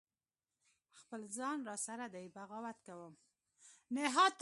خپل ځان را سره دی بغاوت کوم